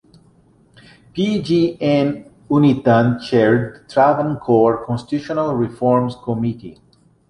P. G. N. Unnithan chaired the Travancore Constitutional Reforms Committee.